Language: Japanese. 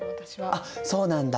あっそうなんだ。